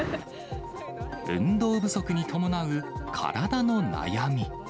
運動不足に伴う体の悩み。